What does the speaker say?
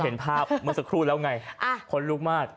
เห็นภาพเมื่อสักครู่แล้วไงคนลุกมาก